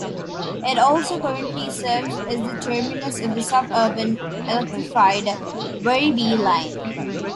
It also currently serves as the terminus of the suburban electrified Werribee line.